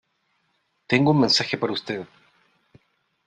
tengo un mensaje para usted